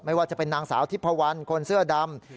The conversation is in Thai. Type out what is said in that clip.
ว่าจะเป็นนางสาวทิพพวันคนเสื้อดำ